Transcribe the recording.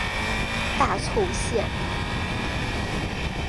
大凑线。